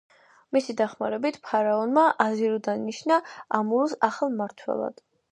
მისი დახმარებით ფარაონმა აზირუ დანიშნა ამურუს ახალ მმართველად.